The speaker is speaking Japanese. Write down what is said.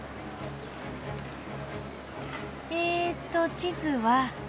えっと地図は。